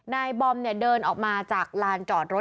นายบอมเนี่ยเดินออกมาจากลานจอดรถ